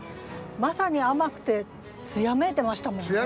まさに甘くて艶めいてましたもんね。